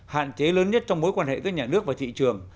hạn chế lớn nhất trong mối quan hệ giữa nhà nước và thị trường